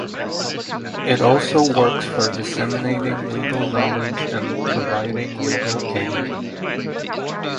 It also works for disseminating legal knowledge and providing legal aid.